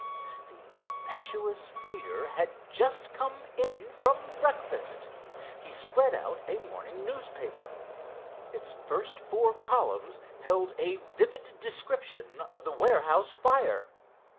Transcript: The impetuous speaker had just come in from breakfast. He spread out a morning newspaper. Its first four columns held a vivid description of the warehouse fire.